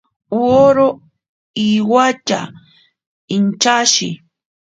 Woro iwatya inchashi.